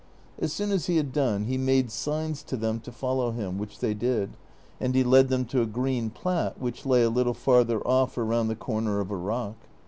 As soon as he had done he made signs to them to follow him, which they did, and he led them to a green plat which lay a little farther off around the corner of a rock.